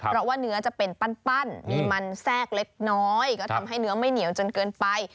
เพราะว่าเนื้อจะเป็นปั้นมีมันแทรกเล็กน้อยก็ทำให้เนื้อไม่เหนียวจนเกินไป